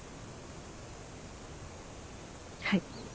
はい。